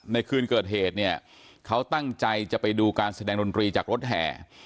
ในคืนเกิดเหตุเนี่ยเขาตั้งใจจะไปดูการแสดงดนตรีจากรถแห่